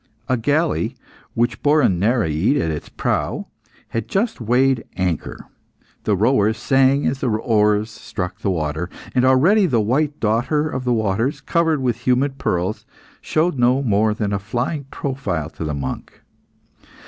A galley, which bore a Nereid at its prow, had just weighed anchor. The rowers sang as the oars struck the water; and already the white daughter of the waters, covered with humid pearls, showed no more than a flying profile to the monk.